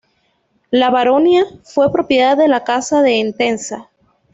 La baronía fue propiedad de la casa de Entenza.